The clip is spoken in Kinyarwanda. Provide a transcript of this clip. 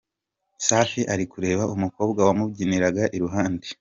Safi ari kureba umukobwa wamubyiniraga iruhande!.